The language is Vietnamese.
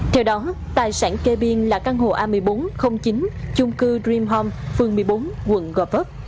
theo đó tài sản kê biên là căn hộ a một nghìn bốn trăm linh chín chung cư dream home phương một mươi bốn quận gò vấp